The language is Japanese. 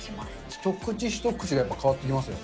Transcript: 一口一口が変わってきますよね。